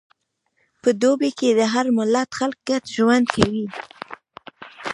په دوبی کې د هر ملت خلک ګډ ژوند کوي.